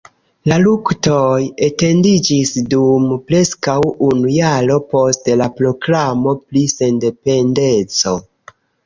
La luktoj etendiĝis dum preskaŭ unu jaro post la proklamo pri sendependeco.